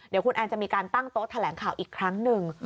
เดี๋ยวคุณแอนจะมีการตั้งโต๊ะแถลงข่าวอีกครั้งหนึ่ง